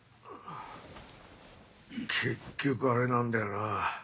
結局あれなんだよな。